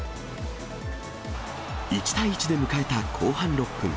１対１で迎えた後半６分。